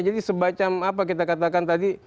jadi sebacam apa kita katakan tadi